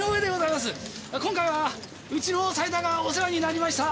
今回はうちの斎田がお世話になりました。